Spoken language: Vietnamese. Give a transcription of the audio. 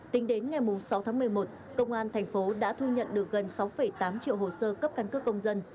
tính đến ngày sáu tháng một mươi một công an thành phố đã thu nhận được gần sáu tám triệu hồ sơ cấp căn cước công dân